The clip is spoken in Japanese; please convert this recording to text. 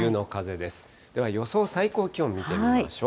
では予想最高気温見てみましょう。